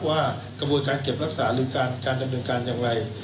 ว่ากระบวนการเก็บรักษาหรือการดำเนินการอย่างไร